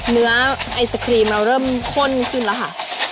ไอศครีมเราเริ่มข้นขึ้นแล้วค่ะ